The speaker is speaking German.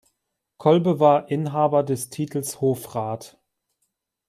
Kolbe war Inhaber des Titels Hofrat.